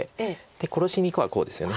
殺しにいくはこうですよね。